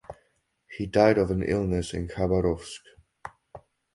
He died of an illness in Khabarovsk.